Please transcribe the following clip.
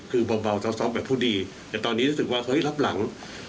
คือเบาซอบแบบพูดดีแต่ตอนนี้รู้สึกว่าเฮ้ยรับหลัง